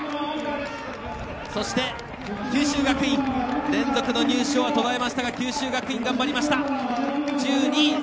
そして、九州学院連続の入賞は途絶えましたが九州学院、頑張りました、１２位。